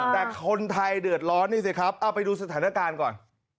แต่คนไทยเดือดร้อนนี่สิครับเอาไปดูสถานการณ์ก่อน